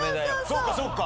そっかそっか。